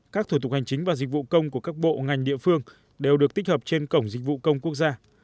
các thủ tục hành chính và dịch vụ công của các bộ ngành địa phương đều được tích hợp trên cổng dịch vụ công quốc gia